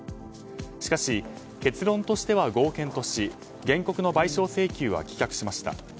しかし、結論としては合憲とし原告の賠償請求は棄却しました。